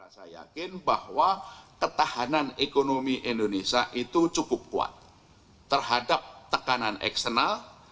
saya yakin bahwa ketahanan ekonomi indonesia itu cukup kuat terhadap tekanan eksternal